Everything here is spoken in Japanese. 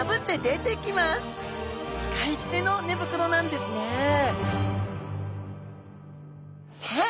使い捨ての寝袋なんですねさあ